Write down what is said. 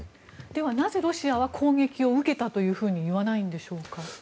では、なぜロシアは攻撃を受けたといわないんでしょうか。